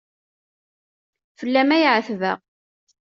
Fell-am ay εetbeɣ.